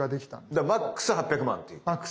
だからＭＡＸ８００万っていう。